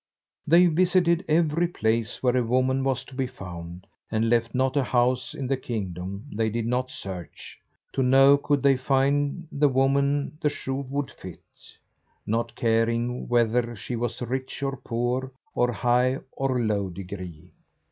They visited every place where a woman was to be found, and left not a house in the kingdom they did not search, to know could they find the woman the shoe would fit, not caring whether she was rich or poor, of high or low degree.